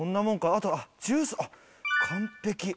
あとはジュースあっ完璧。